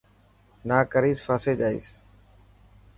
نا ڪريس ڦاسي جائيس.